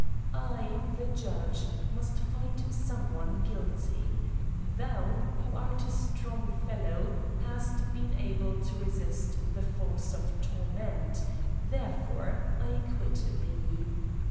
/, the judge ^ must find some one guilty, Thou^ who art a strong fellow^ hast been able to resist the fi:)rce of torment; therefore I acquit thee.